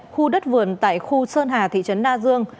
khu đất vườn tại khu sơn hà thị trấn na dương